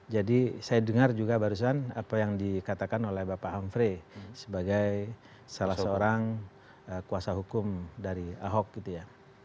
jadi saya dengar juga barusan apa yang dikatakan oleh bapak amri sebagai salah seorang kuasa hukum dari ahok gitu ya